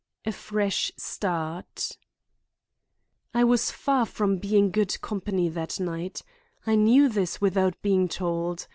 A FRESH START I was far from being good company that night. I knew this without being told.